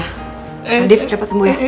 nadif cepet sembuh ya